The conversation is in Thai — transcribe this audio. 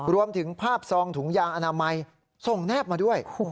รวมถึงภาพซองถุงยางอนามัยส่งแนบมาด้วย